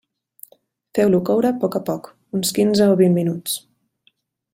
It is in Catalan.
Feu-lo coure a poc a poc, uns quinze o vint minuts.